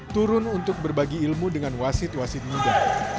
turun untuk berbagi ilmu dengan wasit wasit muda